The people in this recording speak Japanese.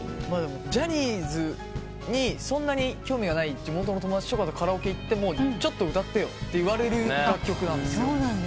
ジャニーズにそんなに興味がない地元の友達とカラオケ行ってもちょっと歌ってよって言われる楽曲なんですよ。